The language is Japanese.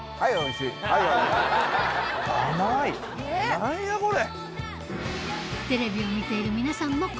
何やこれ！